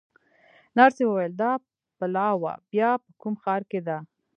نرسې وویل: دا پلاوا بیا په کوم ښار کې ده؟